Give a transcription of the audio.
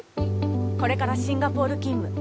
これからシンガポール勤務。